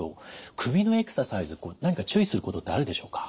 首のエクササイズ何か注意することってあるでしょうか。